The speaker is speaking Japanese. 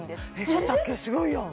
そうやったっけすごいやん！